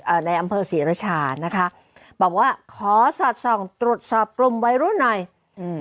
ในอำเภอศรีรชานะคะบอกว่าขอสอดส่องตรวจสอบกลุ่มวัยรุ่นหน่อยอืม